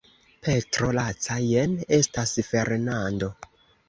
Petro laca, jen estas Fernando.